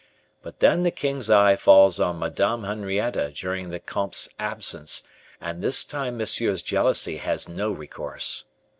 But then the king's eye falls on Madame Henrietta during the comte's absence, and this time Monsieur's jealousy has no recourse.